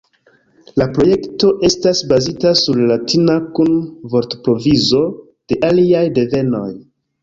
La projekto estas bazita sur la latina kun vortprovizo de aliaj devenoj.